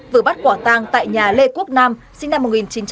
vừa bắt quả tăng tại nhà lê quốc nam sinh năm một nghìn chín trăm tám mươi hai